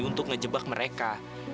untuk ngejebak mereka